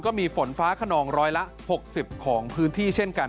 ก็มีฝนฟ้าขนองร้อยละ๖๐ของพื้นที่เช่นกัน